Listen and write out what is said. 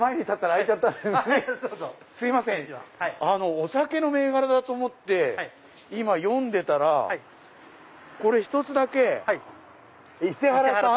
お酒の銘柄だと思って今読んでたらこれ１つだけ伊勢原産。